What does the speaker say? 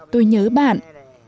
tôi nhớ bạn